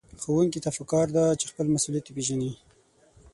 ښوونکي ته پکار ده چې خپل مسؤليت وپېژني.